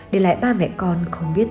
để lại ba mẹ con không biết